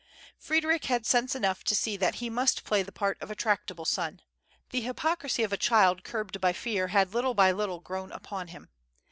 Frederic had sense enough to see that he must play the part of a tractable son. The hypocrisy of a child curbed by fear had little by little grown upon him.